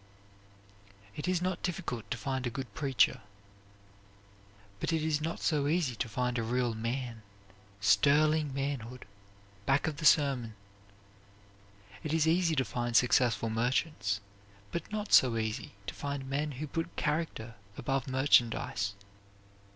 It is not difficult to find a good preacher; but it is not so easy to find a real man, sterling manhood, back of the sermon. It is easy to find successful merchants, but not so easy to find men who put character above merchandise.